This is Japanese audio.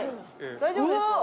大丈夫ですか？